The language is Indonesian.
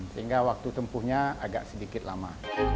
sehingga waktu tempuhnya agak sedikit lama